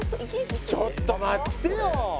ちょっと待ってよ！